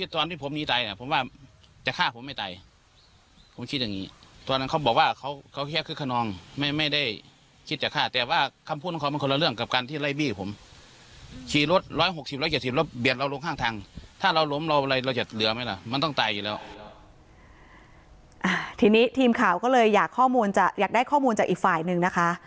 ทีนี้ทีมข่าวก็เลยอยากข้อมูลจะอยากได้ข้อมูลจากอีกฝ่ายหนึ่งนะคะ